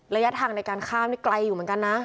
ระยะทางในการข้ามนี่ไกลอยู่เหมือนกันนะ